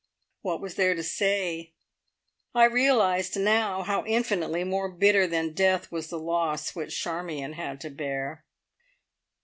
What was there to say? I realised now how infinitely more bitter than death was the loss which Charmion had to bear.